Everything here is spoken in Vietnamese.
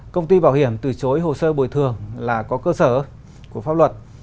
công ty bảo hiểm từ chối hồ sơ bồi thường là có cơ sở của pháp luật